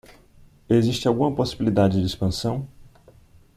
Existe alguma possibilidade de expansão?